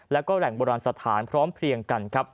และแหล่งบรรสถานพร้อมเพลียงกัน